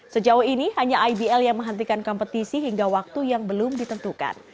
sejauh ini hanya ibl yang menghentikan kompetisi hingga waktu yang belum ditentukan